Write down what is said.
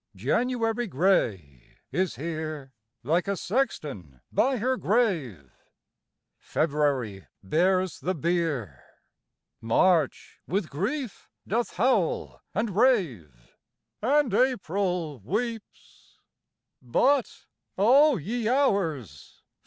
4. January gray is here, Like a sexton by her grave; _20 February bears the bier, March with grief doth howl and rave, And April weeps but, O ye Hours!